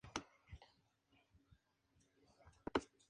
Enciclopedia del desarrollo humano.